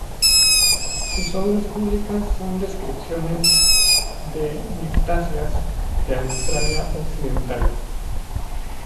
Sus obras publicadas son descripciones de mirtáceas de Australia Occidental.